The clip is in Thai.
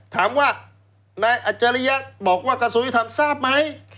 ถามว่านายอัจฉริยะบอกว่ากระทรวงยุทธรรมทราบไหม